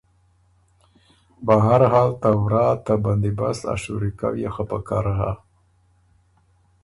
بهر حال ته ورا ته بندیبست ا شُوری کؤ يې خه پکر هۀ“